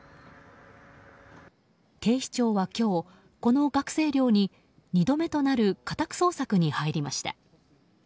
警視庁は今日、この学生寮に２度目となる家宅捜索に入りました。